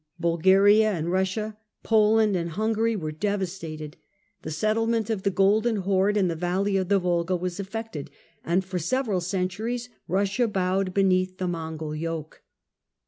Bulgaria and Eussia, Poland and Hungary were devastated, the settlement of the " Golden Horde " in the valley of the Volga was effected, and for several centuries Eussia bowed beneath the Mongol yoke.